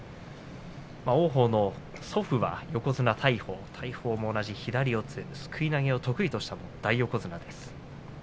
王鵬の祖父は横綱大鵬大鵬も同じ左四つすくい投げを得意とした大横綱です。